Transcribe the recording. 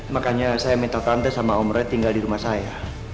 makanya saya minta tante sama om red tinggal di rumah saya